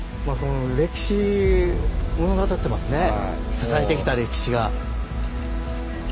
支えてきた歴史が。